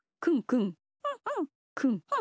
くんくん。